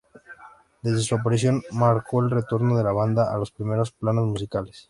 Desde su aparición marcó el retorno de la banda a los primeros planos musicales.